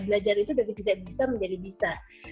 belajar itu dari tidak bisa menjadi bisa